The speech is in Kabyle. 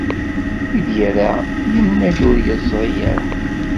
Mi d-yerra yenna-d ur yeẓri ara.